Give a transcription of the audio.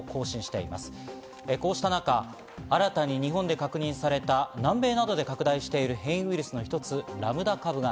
こうした中、新たに日本で確認された南米などで拡大している変異ウイルスの一つ、ラムダ株。